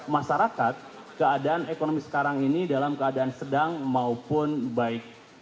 masyarakat keadaan ekonomi sekarang ini dalam keadaan sedang maupun baik